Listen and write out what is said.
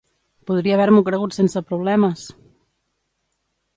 Podria haver-m'ho cregut sense problemes!